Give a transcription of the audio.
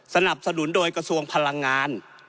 สนับสนุนโดยกระทรวงพลังงาน